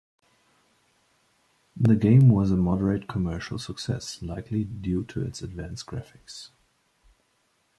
The game was a moderate commercial success, likely due to its advanced graphics.